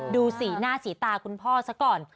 ดูสีหน้าสีตาคุณพ่อซะก่อน